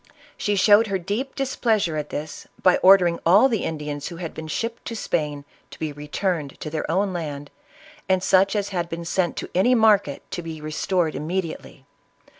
She showed her deep dis pleasure at this, by ordering all the Indians who had been shipped to Spain to be returned to their own land, and such as had been sent to any market, to be restored immediately.